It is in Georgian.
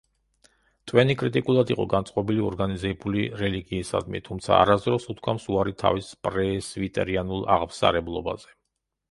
ტვენი კრიტიკულად იყო განწყობილი ორგანიზებული რელიგიისადმი, თუმცა არასოდეს უთქვამს უარი თავის პრესვიტერიანულ აღმსარებლობაზე.